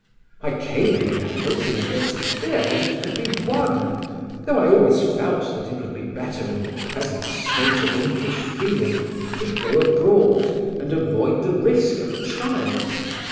I came here hoping against fear that it could be won, though I always felt that it would be better in the present state of English feeling to go abroad and avoid the risk of a trial.